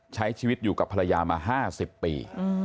ใช้ชีวิตอยู่กับภรรยามา๕๐ปี